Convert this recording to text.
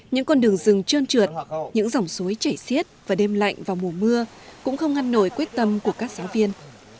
những con đường rừng trơn trượt những dòng suối chảy xiết và đêm lạnh vào mùa mưa cũng không ngăn nổi quyết tâm của các giáo viên